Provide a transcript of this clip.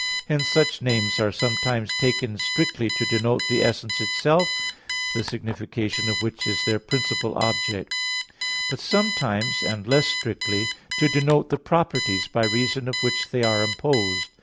Hence such names are sometimes taken strictly to denote the essence itself, the signification of which is their principal object; but sometimes, and less strictly, to denote the properties by reason of which they are imposed.